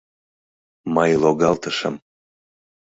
Мый логалтышым.